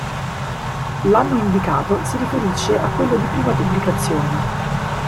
L'anno indicato si riferisce a quello di prima pubblicazione.